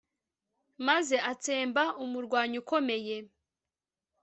maze atsemba umurwanyi ukomeye